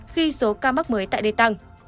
khi số ca mắc mới tại đây tăng